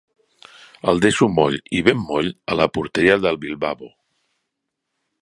El deixo moll i ben moll, a la porteria del Bilbabo.